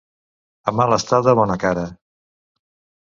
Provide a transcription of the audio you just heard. A mala estada, bona cara.